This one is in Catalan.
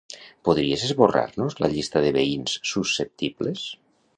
Podries esborrar-nos la llista de veïns susceptibles?